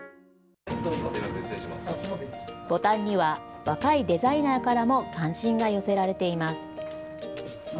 ボタンには、若いデザイナーからも関心が寄せられています。